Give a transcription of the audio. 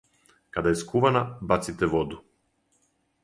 Када је скувана баците воду.